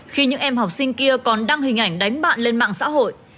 khi những em học sinh kia còn đăng hình ảnh đánh bạn lên mạng xã hội